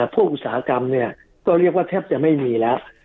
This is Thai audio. อุตสาหกรรมก็เรียกว่าแทบจะไม่มีแล้ว